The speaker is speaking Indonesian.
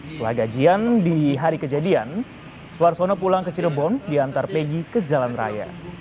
setelah gajian di hari kejadian suarsono pulang ke cirebon diantar peggy ke jalan raya